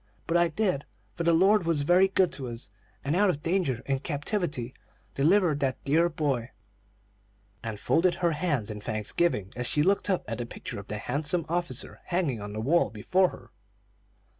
But I did; for the Lord was very good to us, and out of danger and captivity delivered that dear boy." Grandma spoke solemnly, and folded her hands in thanksgiving as she looked up at the picture of the handsome officer hanging on the wall before her.